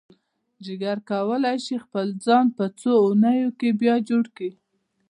جگر کولی شي خپل ځان په څو اونیو کې بیا جوړ کړي.